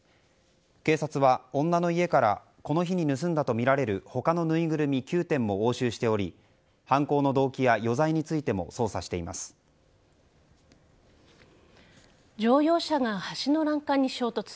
警察は、女の家からこの日に盗んだとみられる他のぬいぐるみ９点も押収しており犯行の動機や余罪についても乗用車が橋の欄干に衝突。